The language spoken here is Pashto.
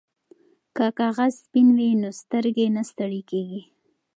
که کاغذ سپین وي نو سترګې نه ستړې کیږي.